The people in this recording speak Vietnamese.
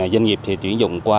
doanh nghiệp thì tiễn dụng qua